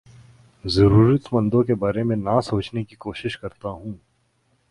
ضرورت مندوں کے بارے میں نہ سوچنے کی کوشش کرتا ہوں